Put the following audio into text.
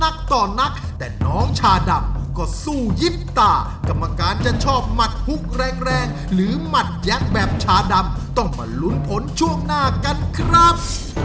นักต่อนักแต่น้องชาดำก็สู้ยิ้มตากรรมการจะชอบหมัดฮุกแรงแรงหรือหมัดยักษ์แบบชาดำต้องมาลุ้นผลช่วงหน้ากันครับ